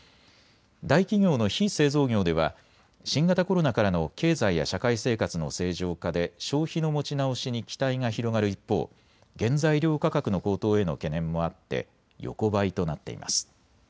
大企業の非製造業では新型コロナからの経済や社会生活の正常化で消費の持ち直しに期待が広がる一方、原材料価格の高騰への懸念もあって横ばいとなっています。